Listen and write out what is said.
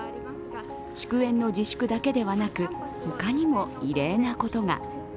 祝宴の自粛だけではなく、他にも異例なことが。